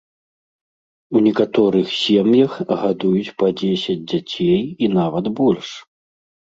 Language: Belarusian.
У некаторых сем'ях гадуюць па дзесяць дзяцей і нават больш.